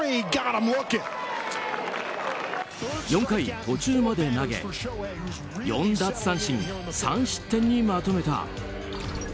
４回途中まで投げ４奪三振３失点にまとめた。